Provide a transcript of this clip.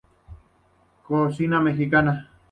Cocina mexicana.